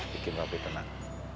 bikin aku tenang